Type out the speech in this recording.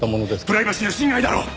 プライバシーの侵害だろう！